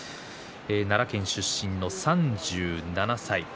奈良県出身の３７歳。